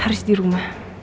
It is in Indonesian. haris di rumah